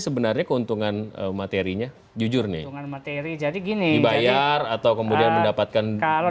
sebenarnya keuntungan materinya jujurnya materi jadi gini bayar atau kemudian mendapatkan kalau